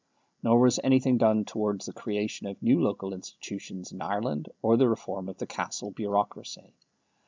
Nor was anything done towards the creation of new local institutions in Ireland, or the reform of the Castle bureaucracy.